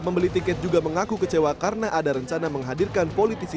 pembeli tiket juga mengaku kecewa karena ada rencana menghadirkan politisi